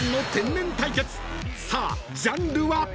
［さあジャンルは？］